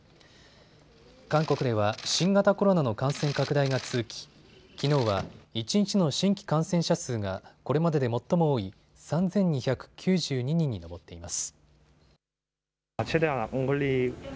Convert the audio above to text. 韓国では新型コロナの感染拡大が続ききのうは一日の新規感染者数がこれまでで最も多い３２９２人に上っています。